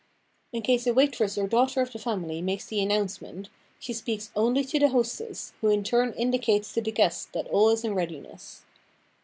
In In case a waitress or daughter of the family makes the announcement, she speaks only to the hostess, who in turn indicates to the guests that all is in readiness.